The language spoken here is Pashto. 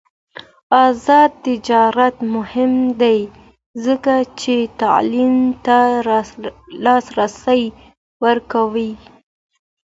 آزاد تجارت مهم دی ځکه چې تعلیم ته لاسرسی ورکوي.